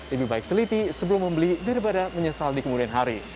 lebih baik teliti sebelum membeli daripada menyesal di kemudian hari